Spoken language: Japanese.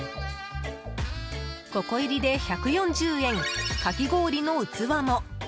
５個入りで１４０円かき氷の器も。